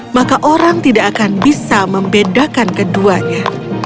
maka orang tidak akan bisa membedakan keduanya